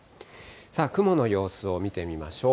雲の様子を見てみましょう。